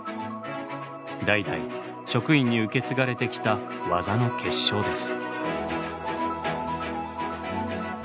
代々職員に受け継がれてきた技の結晶です。